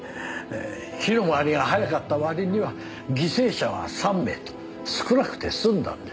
火の回りが早かったわりには犠牲者は３名と少なくて済んだんです。